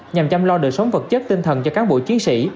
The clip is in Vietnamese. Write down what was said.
nhằm chăm lo đời sống vật chất tinh thần cho cán bộ chiến sĩ